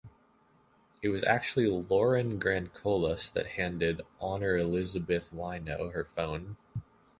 It was actually Lauren Grandcolas that handed Honor Elizabeth Waino her phone.